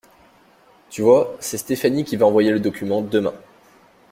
Tu vois, c'est Stéphanie qui va envoyer le document demain.